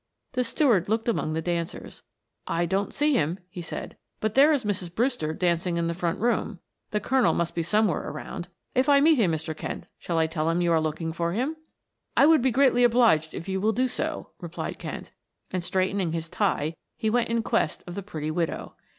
The steward looked among the dancers. "I don't see him," he said, "But there is Mrs. Brewster dancing in the front room; the Colonel must be somewhere around. If I meet him, Mr. Kent, shall I tell him you are looking for him?" "I will be greatly obliged if you will do so," replied Kent, and straightening his tie, he went in quest of the pretty widow.